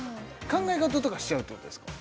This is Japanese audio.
考え事とかしちゃうってことですか？